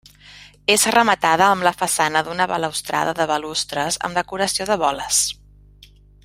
És rematada amb la façana d'una balustrada de balustres amb decoració de boles.